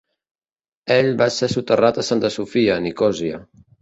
Ell va ser soterrat a Santa Sofia, Nicòsia.